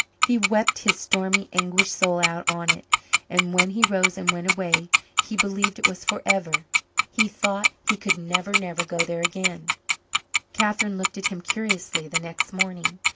He wept his stormy, anguished soul out on it; and when he rose and went away, he believed it was forever. He thought he could never, never go there again. Catherine looked at him curiously the next morning.